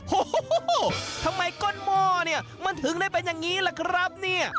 โอ้โหทำไมก้นหม้อเนี่ยมันถึงได้เป็นอย่างนี้ล่ะครับเนี่ย